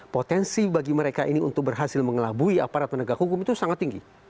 potensi bagi mereka ini untuk berhasil mengelabui aparat penegak hukum itu sangat tinggi